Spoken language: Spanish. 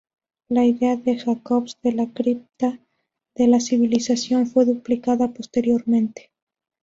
La idea de Jacobs de la Cripta de la civilización fue duplicada posteriormente.